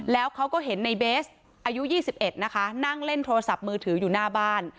แล้วเขาก็เห็นในเบสอายุ๒๑นะคะนั่งเล่นโทรศัพท์มือถืออยู่หน้าบ้าน